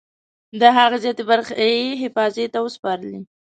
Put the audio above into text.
د هغه زیاتې برخې یې حافظې ته وسپارلې.